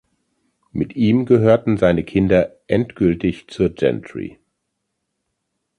Mit ihm gehörten seine Kinder endgültig zur Gentry.